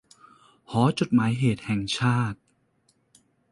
หอจดหมายเหตุแห่งชาติ